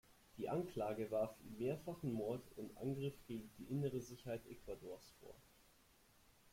Die Anklage warf ihm mehrfachen Mord und Angriff gegen die innere Sicherheit Ecuadors vor.